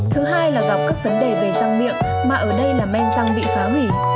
thứ hai là gặp các vấn đề về răng miệng mà ở đây là men răng bị phá hủy